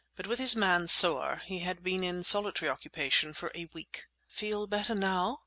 But with his man, Soar, he had been in solitary occupation for a week. "Feel better now?"